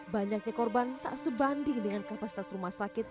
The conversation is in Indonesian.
banyaknya korban tak sebanding dengan kapasitas rumah sakit